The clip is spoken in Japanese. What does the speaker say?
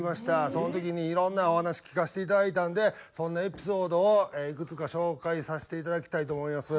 その時にいろんなお話聞かせていただいたんでそのエピソードをいくつか紹介させていただきたいと思います。